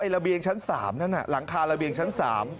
ละเบียงชั้นสามหลังคาละเบียงชั้นสาม